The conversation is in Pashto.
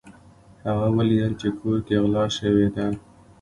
هغه ولیدل چې کور کې غلا شوې ده.